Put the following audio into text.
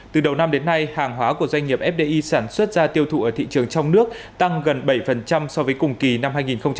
từ đầu năm đến nay hàng hóa của doanh nghiệp fdi sản xuất ra tiêu thụ ở thị trường trong nước tăng gần bảy so với cùng kỳ năm hai nghìn một mươi tám